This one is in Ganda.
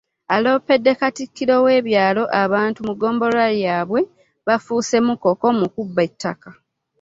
Aloopedde Katikkiro w'ebyalo, abantu mu ggombolola yaabwe abafuuse mukoko mu kubba ettaka